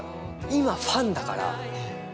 今ファンだから。